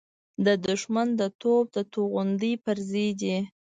د دښمن د توپ د توغندۍ پرزې دي.